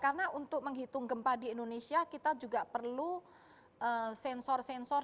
karena untuk menghitung gempa di indonesia kita juga perlu sensor sensor